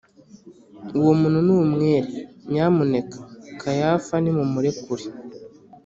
uwo muntu ni umwere; nyamuneka kayafa nimumurekure!